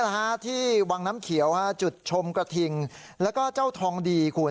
ที่วังน้ำเขียวฮะจุดชมกระทิงแล้วก็เจ้าทองดีคุณ